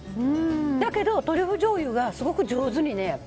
だけどトリュフじょうゆがすごく上手に。